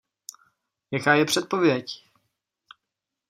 Jaká je předpověď?